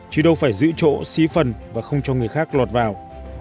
chứ đâu phải giữ chỗ xí phần và không cho người khác lọt vào